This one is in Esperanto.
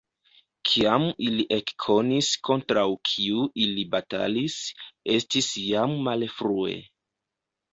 Kiam ili ekkonis kontraŭ kiu ili batalis, estis jam malfrue.